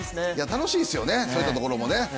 楽しいですよね、そういったところもね。